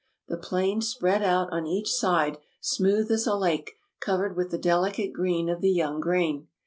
The plain spread out on each side, smooth as a lake, covered with the delicate green of the young grain.